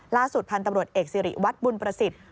ล่าสุดพันธุ์ตำรวจเอกสิริวัตรบุญประสิทธิ์